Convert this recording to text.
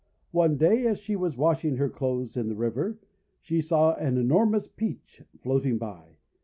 One day, as she was washing her clothes in the river, she saw an enormous Peach floating by.